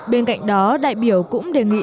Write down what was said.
bên cạnh đó đại biểu cũng đề nghị